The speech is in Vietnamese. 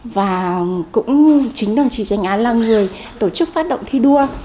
và cũng chính đồng chí danh án là người tổ chức phát động thi đua